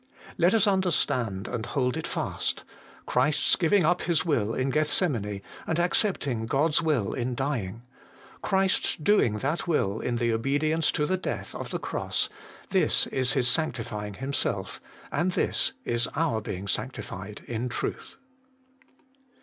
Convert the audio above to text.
Let us understand and hold it fast : Christ's giving up His will in Gethsemane and accepting God's will in dying ; Christ's doing that will in the obedience to the death of the cross, this is His sanctifying Himself, and this is our being sanctified in truth.